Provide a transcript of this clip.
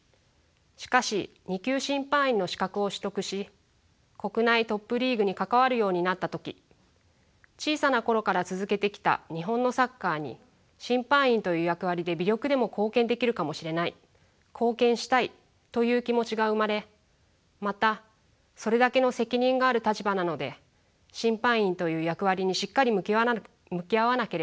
しかし２級審判員の資格を取得し国内トップリーグに関わるようになった時小さな頃から続けてきた日本のサッカーに審判員という役割で微力でも貢献できるかもしれない貢献したいという気持ちが生まれまたそれだけの責任がある立場なので審判員という役割にしっかり向き合わなければと思いました。